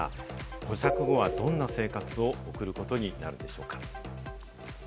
保釈後は、どんな生活を送ることになったんでしょうか？